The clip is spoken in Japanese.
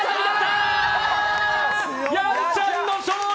やんちゃんの勝利！！